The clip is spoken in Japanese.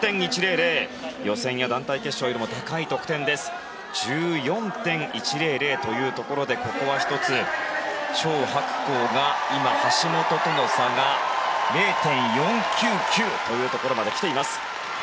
予選や団体決勝よりも高い得点です。１４．１００というところでここは１つ、チョウ・ハクコウが今、橋本との差が０．４９９というところまで来ています。